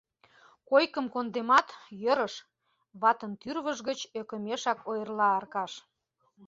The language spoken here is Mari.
— Койкым кондемат, йӧрыш, — ватын тӱрвыж гыч ӧкымешак ойырла Аркаш.